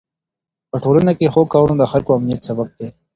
په ټولنه کې ښو کارونه د خلکو د امنيت سبب دي.